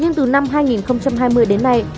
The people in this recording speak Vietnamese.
nhưng từ năm hai nghìn hai mươi đến nay